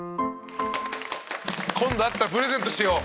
今度会ったらプレゼントしよう。